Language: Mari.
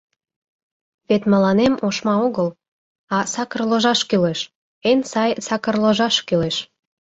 Вет мыланем ошма огыл, а сакырложаш кӱлеш, эн сай сакырложаш кӱлеш.